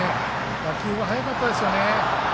打球が速かったですよね。